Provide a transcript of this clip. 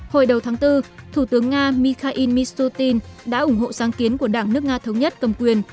hồi đầu tháng bốn thủ tướng nga mikhail mishutin đã ủng hộ sáng kiến của đảng nước nga thống nhất cầm quyền